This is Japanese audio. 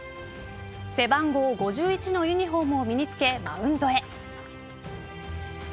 背番号５１のユニホームを身に着け、マウンドへ。